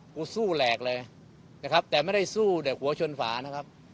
สู้แหลกเลยนะครับแต่ไม่ได้สู้แต่หัวชนฝานะครับ